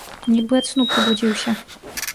Нібы ад сну прабудзіўся.